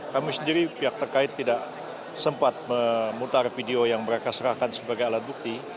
kami sendiri pihak terkait tidak sempat memutar video yang mereka serahkan sebagai alat bukti